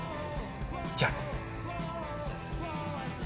じゃあ。